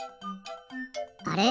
あれ？